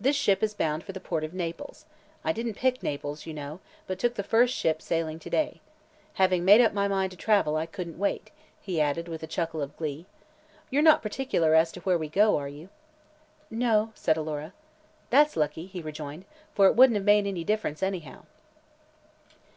"This ship is bound for the port of Naples. I didn't pick Naples, you know, but took the first ship sailing to day. Having made up my mind to travel, I couldn't wait," he added, with a chuckle of glee. "You're not particular as to where we go, are you?" "No," said Alora. "That's lucky," he rejoined, "for it wouldn't have made any difference, anyhow."